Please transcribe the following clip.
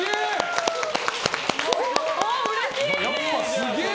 すげえ！